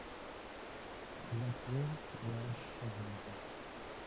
He has learnt Welsh as an adult.